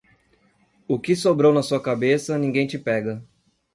O que sobrou na sua cabeça, ninguém te pega.